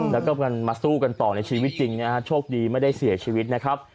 แล้วก็มันมาสู้กันต่อในชีวิตจริงนะฮะโชคดีไม่ได้เสียชีวิตนะครับ